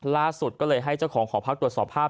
ล่าสุดก็เลยให้เจ้าของหอพักตรวจสอบภาพ